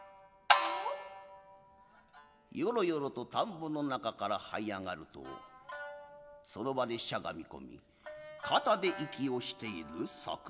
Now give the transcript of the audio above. よろよろと田圃の中から這い上がるとその場にしゃがみこみ肩で息をしている櫻川。